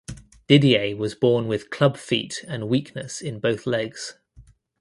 Didier was born with club feet and weakness in both legs.